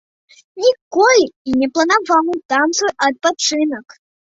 Ніколі і не планаваў там свой адпачынак.